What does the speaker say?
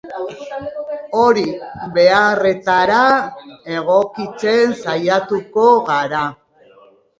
Hori beharretara egokitzen saiatuko gara.